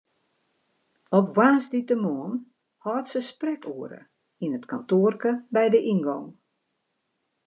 Op woansdeitemoarn hâldt se sprekoere yn it kantoarke by de yngong.